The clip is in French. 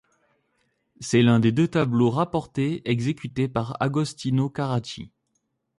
C'est l'un des deux tableaux rapportés exécutés par Agostino Carracci.